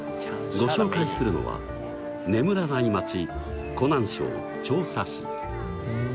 ご紹介するのは眠らない街湖南省長沙市。